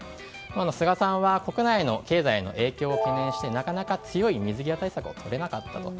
菅さんは国内の経済への影響を懸念してなかなか強い水際対策をとれなかったと。